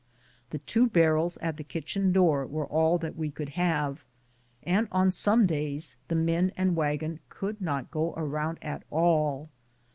The two barrels at the kitchen door were all that we could have, and on some days the men and wagon could not go around at all.